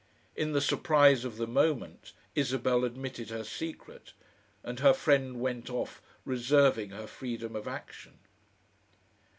In the surprise of the moment Isabel admitted her secret, and her friend went off "reserving her freedom of action."